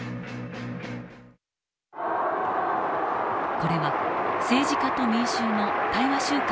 これは政治家と民衆の対話集会の映像である。